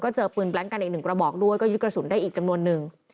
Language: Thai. ก็เจอกระสุนกลางแบลงกันและยึดกระสุนได้อีกจำนวนนึง